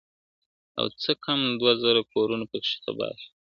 او څه کم دوه زره کورونه پکښی تباه سول `